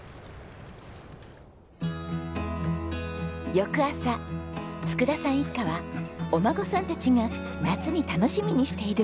翌朝佃さん一家はお孫さんたちが夏に楽しみにしている場所へ。